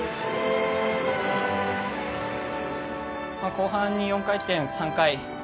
後半に４回転３回。